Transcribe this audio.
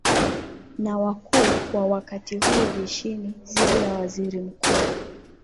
na wakuu wa wakati huo jeshini dhidi ya waziri mkuu